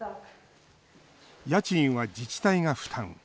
家賃は自治体が負担。